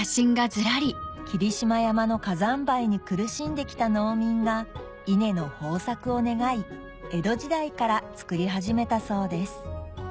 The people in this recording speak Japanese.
霧島山の火山灰に苦しんできた農民が稲の豊作を願い江戸時代から作り始めたそうです